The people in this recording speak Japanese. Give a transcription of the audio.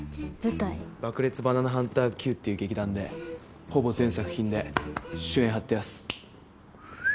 爆裂バナナハンターＱっていう劇団でほぼ全作品で主演張ってやす。